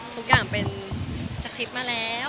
ทุกอย่างเป็นสคริปต์มาแล้ว